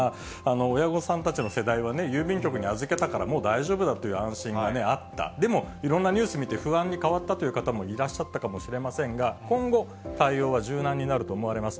親御さんたちの世代は、郵便局に預けたから、もう大丈夫だという安心があった、でも、いろんなニュース見て、不安に変わったという方もいらっしゃったかもしれませんが、今後、対応は柔軟になると思われます。